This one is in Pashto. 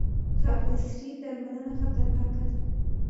خپلسري درملنه خطرناکه ده.